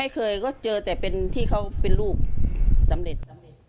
ไม่เคยก็เจอแต่เป็นที่เขาเป็นรูปสำเร็จ